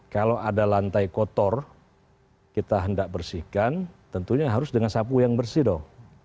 kalau ada lantai kotor kita hendak bersihkan tentunya harus dengan sapu yang bersih dong